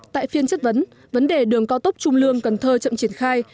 tại phiên chất vấn vấn đề đường cao tốc trung lương cần thơ chậm triển khai